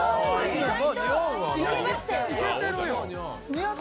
意外といけましたよね。